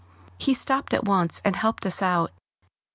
He stopped at once and helped us out.